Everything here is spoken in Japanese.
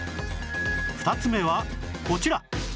２つ目はこちら